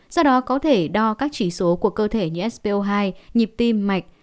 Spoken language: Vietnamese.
do đó có thể đo các chỉ số của cơ thể như spo hai nhịp tim mạch